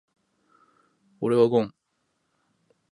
俺はゴン。